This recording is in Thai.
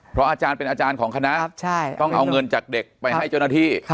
เพราะอาจารย์เป็นอาจารย์ของคณะต้องเอาเงินจากเด็กไปให้เจ้าหน้าที่